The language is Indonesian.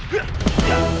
beruntung untuk abonee ase